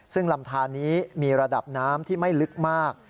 ซึ่งลำทานนี้มีระดับน้ำที่ไม่ลึกมาก